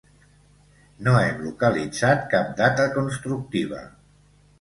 No hem localitzat cap data constructiva.